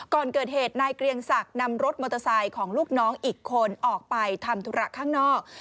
ก่อนเกิดเหตุนายเกรียงศักดิ์นำรถมอเตอร์ไซค์ของลูกน้องอีกคนออกไปทำธุระข้างนอก